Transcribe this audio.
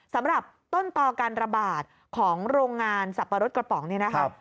สำหรับต้นต่อการระบาดของโรงงานสับปะรดกระป๋องเนี่ยนะครับ